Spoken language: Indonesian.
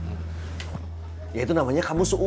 tapi ini tetur sebagaimana saya mesti ngasih